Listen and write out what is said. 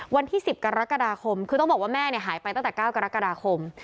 วันที่๑๐กรกฎาคมคือต้องบอกว่าแม่หายไปตั้งแต่๙กรกฎาคม